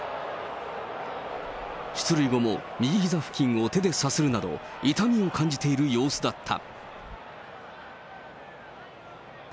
出塁後も右ひざ付近を手でさするなど、痛みを感じている様子だった。